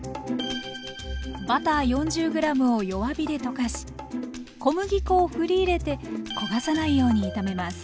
バター４０ｇを弱火で溶かし小麦粉をふり入れて焦がさないように炒めます。